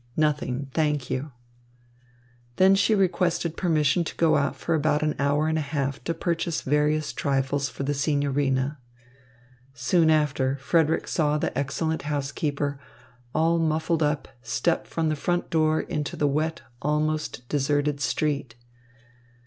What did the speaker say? "Nothing, thank you." She then requested permission to go out for about an hour and a half to purchase various trifles for the signorina. Soon after, Frederick saw the excellent housekeeper, all muffled up, step from the front door into the wet, almost deserted street.